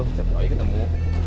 oh iya ketemu